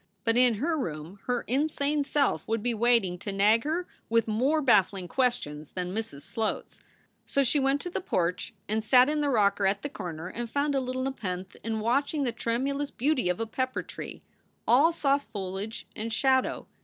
But in her room her insane self would be waiting to nag her with more baffling questions than Mrs. Sloat s. So she went to the porch and sat in the rocker at the corner and found a little nepenthe in watching the tremulous beauty of a pepper tree, all soft foliage and shadow.